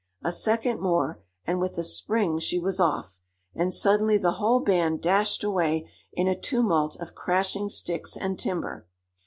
A second more, and with a spring she was off, and suddenly the whole band dashed away in a tumult of crashing sticks and timber.